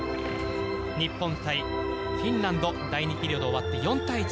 日本対フィンランド第２ピリオド終わって４対１。